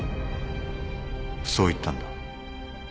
そう言ったんだ。